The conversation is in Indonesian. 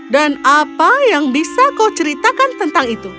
dan apa yang bisa kau ceritakan tentang itu